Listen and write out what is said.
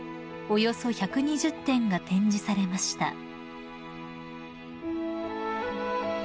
およそ１２０点が展示されました］